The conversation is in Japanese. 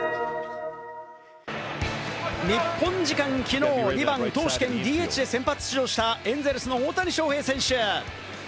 日本時間きのう、２番・投手兼ＤＨで先発出場したエンゼルスの大谷翔平選手。